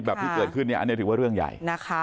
แบบที่เกิดขึ้นอันนี้ถือว่าเรื่องใหญ่